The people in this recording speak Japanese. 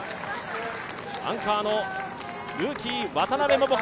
アンカーのルーキー・渡邉桃子